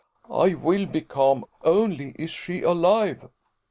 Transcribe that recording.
"I will be calm only is she alive?"